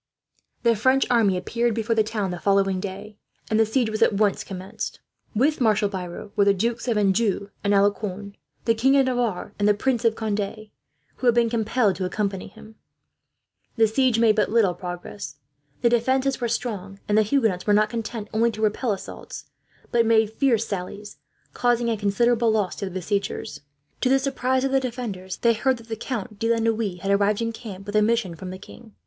The French army appeared before the town on the following day, and the siege was at once commenced. With Marshal Biron were the dukes of Anjou and Alencon, the King of Navarre, and the Prince of Conde, who had been compelled to accompany him. The siege made little progress. The defences were strong, and the Huguenots were not content only to repel assaults, but made fierce sallies, causing a considerable loss to the besiegers. To the surprise of the defenders, they heard that the Count de la Noue had arrived in camp, with a mission from the king.